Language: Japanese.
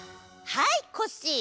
はいコッシー！